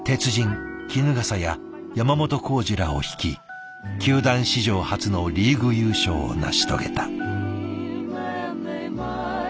衣笠や山本浩二らを率い球団史上初のリーグ優勝を成し遂げた。